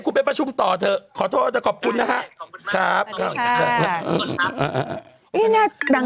อุ้มเพศหลอยนะ